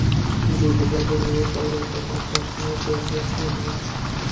বিলিবাবুর মেয়ে বলে, তোমার চশমা দেখছে মা।